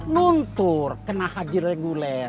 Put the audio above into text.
luntur kena haji reguler